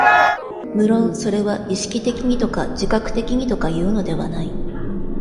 無論それは意識的にとか自覚的にとかいうのではない。